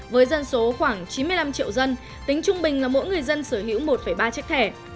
với dân số khoảng chín mươi năm triệu dân tính trung bình là mỗi người dân sở hữu một ba chiếc thẻ